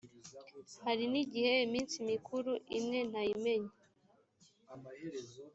hari n’igihe iminsi mikuru imwe ntayimenya